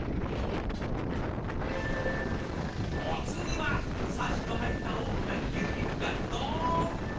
お次はサシの入った大きな牛肉がドンと！